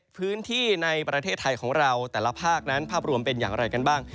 พื้นที่ในประเทศไทยของเราแต่ละภาคนั้นภาพรวมเป็นอย่างไรกันบ้าง